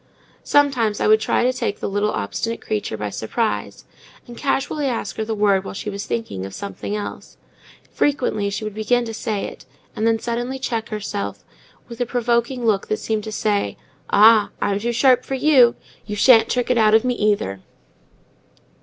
Sometimes I would try to take the little obstinate creature by surprise, and casually ask her the word while she was thinking of something else; frequently she would begin to say it, and then suddenly check herself, with a provoking look that seemed to say, "Ah! I'm too sharp for you; you shan't trick it out of me, either."